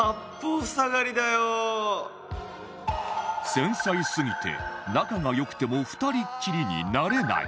繊細すぎて仲が良くても２人っきりになれない